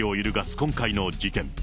今回の事件。